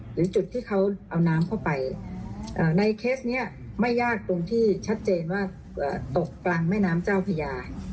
หรือจุดที่เขาเอาน้ำเข้าไปในเคสนี้ไม่ยากตรงที่ชัดเจนว่าตกกลางแม่น้ำเจ้าพญา